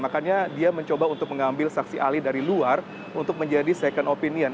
makanya dia mencoba untuk mengambil saksi ahli dari luar untuk menjadi second opinion